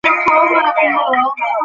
আমরা বৃষ্টি থামার অপেক্ষা করবো।